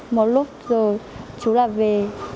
một lúc rồi chú là về